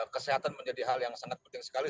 kesehatan menjadi hal yang sangat penting sekali